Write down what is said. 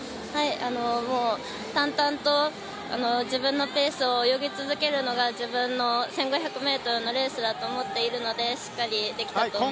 淡々と自分のペースを泳ぎ続けるのが自分の１５００ｍのレースだと思っているのでしっかりできたと思います。